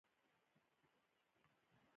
په ساده تولید کې مالک پخپله کار کوي.